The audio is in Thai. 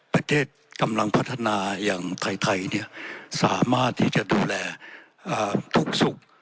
กำลังพัฒนาอย่างไทยสามารถที่จะดูแลทุกสุข